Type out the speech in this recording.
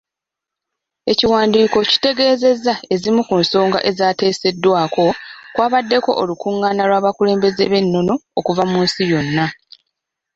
Ekiwandiiko kitegeezezza ezimu ku nsonga ezaateeseddwako kwabaddeko olukungaana lw'abakulembeze b'ennono okuva mu nsi yonna.